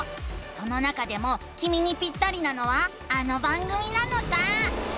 その中でもきみにピッタリなのはあの番組なのさ！